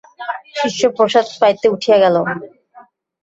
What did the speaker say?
শিষ্য প্রসাদ পাইতে উঠিয়া গেল।